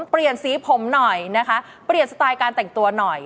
เปลี่ยนสีผมหน่อยนะคะเปลี่ยนสไตล์การแต่งตัวหน่อย